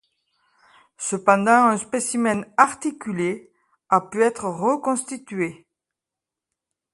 Cependant, un spécimen articulé a pu être reconstitué.